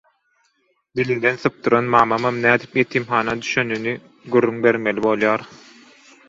Dilinden sypdyran mamam nädip ýetimhana düşenini gürrüň bermeli bolýar.